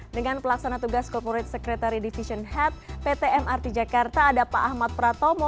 dengan pelaksana tugas corporate secretary division head pt mrt jakarta ada pak ahmad pratomo